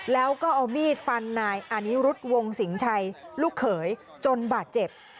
แล้วก็เอามีดฟันนายอานิรุธวงสิงชัยลูกเขยจนบาดเจ็บ